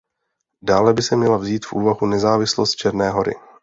Dále by se měla vzít v úvahu nezávislost Černé hory.